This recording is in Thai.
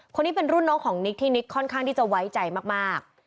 คนนี้เป็นรุ่นน้องของนิกที่นิกค่อนข้างที่จะไว้ใจมาก